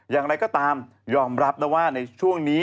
อย่างไรก็ตามยอมรับนะว่าในช่วงนี้